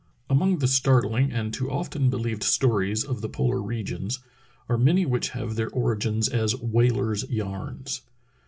A MONG the startling and too often believed stories /■^k of the polar regions are many which have their origin as whalers' *'yarns."